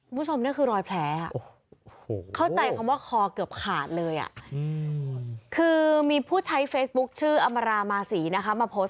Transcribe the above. คุณผู้ชมนี่คือรอยแผล